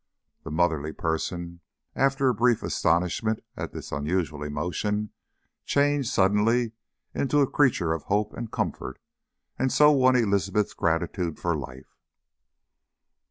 The motherly person, after a brief astonishment at this unusual emotion, changed suddenly into a creature of hope and comfort, and so won Elizabeth's gratitude for life.